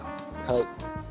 はい。